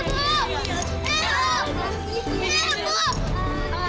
udah udah udah jangan takut lagi ya sayang